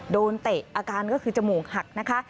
เตะอาการก็คือจมูกหักนะคะ